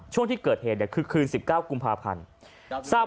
ช่วงที่เกิดเหตุคือคืน๑๙กุมภาพันธ์